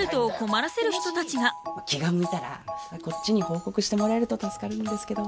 気が向いたらこっちに報告してもらえると助かるんですけど。